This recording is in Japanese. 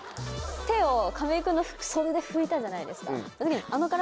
手を亀井君の袖で拭いたじゃないですか。